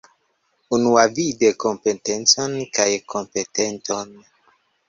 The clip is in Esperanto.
Unuavide kompletecon kaj kompetenton.